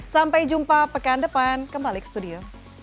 sampai jumpa pekan depan kembali ke studio